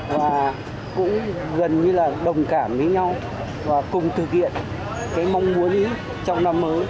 và cũng gần như là đồng cảm với nhau và cùng thực hiện cái mong muốn trong năm mới